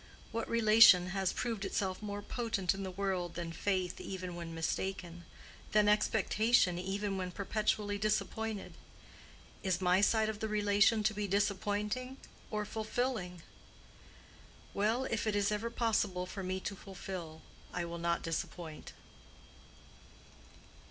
what relation has proved itself more potent in the world than faith even when mistaken—than expectation even when perpetually disappointed? Is my side of the relation to be disappointing or fulfilling?—well, if it is ever possible for me to fulfill I will not disappoint."